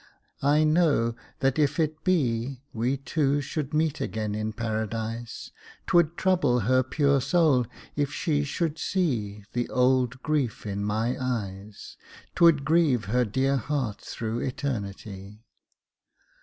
I know that if it be, We two should meet again in Paradise, 'Twould trouble her pure soul if she should see The old grief in my eyes; 'Twould grieve her dear heart through eternity.